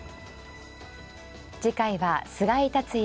次回は菅井竜也